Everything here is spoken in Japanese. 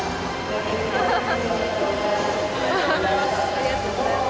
おめでとうございます。